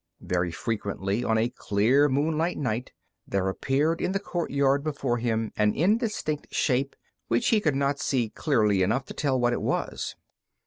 Very frequently on a clear moonlight night there appeared in the courtyard before him an indistinct shape which he could not see clearly enough to tell what it was.